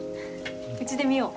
うちで見よう。